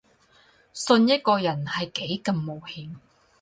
信一個人係幾咁冒險